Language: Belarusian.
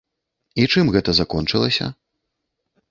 І чым гэта закончылася?